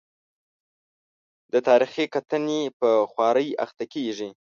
د تاریخي کتنې په خوارۍ اخته کېږي.